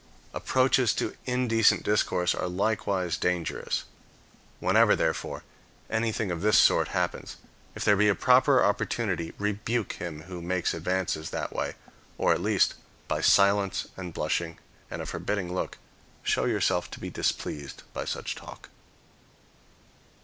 Approaches to indecent discourse are likewise dangerous. Whenever, therefore, anything of this sort happens, if there be a proper opportunity, rebuke him who makes advances that way; or, at least, by silence and blushing and a forbidding look, show yourself to be displeased by such talk.